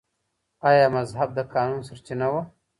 آیا مذهب د قانون سرچینه وه؟